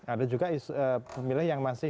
ada juga pemilih yang masih